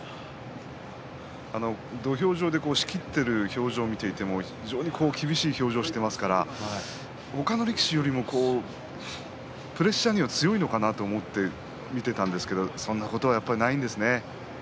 土俵上で仕切っている姿を見ても非常に厳しい表情をしていますから他の力士よりもプレッシャーには強いのかなと思って見ていたんですけどそんなことはやっぱりないんですね